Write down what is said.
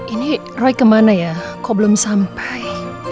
ini roy kemana ya kok belum sampai